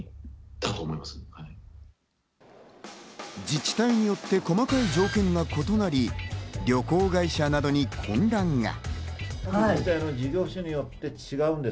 自治体によって細かい条件が異なり、旅行会社などに混乱が。